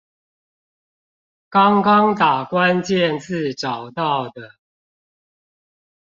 剛剛打關鍵字找到的